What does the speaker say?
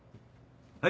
はい。